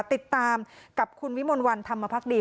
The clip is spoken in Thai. ติดตามกับคุณวิมลวันธรรมพักดี